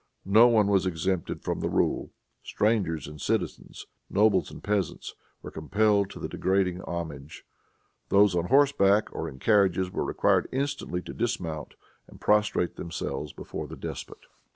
No one was exempted from the rule. Strangers and citizens, nobles and peasants, were compelled to the degrading homage. Those on horseback or in carriages were required instantly to dismount and prostrate themselves before the despot.